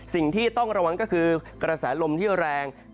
สิ่งที่ต้องระวังก็คือกระแสลมที่แรง